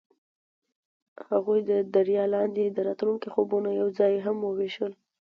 هغوی د دریا لاندې د راتلونکي خوبونه یوځای هم وویشل.